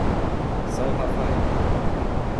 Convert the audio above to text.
São Rafael